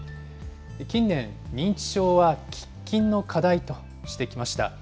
近年、認知症は喫緊の課題としてきました。